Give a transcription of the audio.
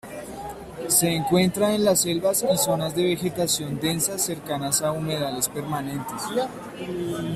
Se encuentra en las selvas y zonas de vegetación densa cercanas a humedales permanentes.